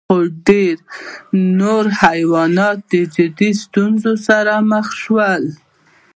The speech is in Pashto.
خو ډېر نور حیوانات جدي ستونزو سره مخ شول.